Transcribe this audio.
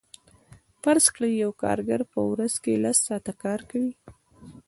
فرض کړئ یو کارګر په ورځ کې لس ساعته کار کوي